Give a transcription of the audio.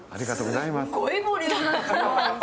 すっごいボリューム。